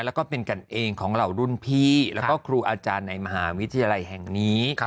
แล้วก็เป็นกันเองของเหล่ารุ่นพี่แล้วก็ครูอาจารย์ในมหาวิทยาลัยแห่งนี้